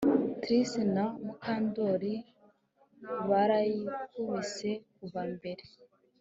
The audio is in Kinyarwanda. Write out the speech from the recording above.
Trix na Mukandoli barayikubise kuva mbere